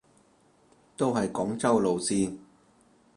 都係廣州路線